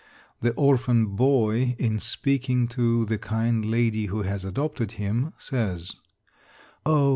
The orphan boy in speaking to the kind lady who has adopted him, says: "Oh!